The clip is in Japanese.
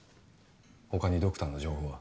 他にドクターの情報は？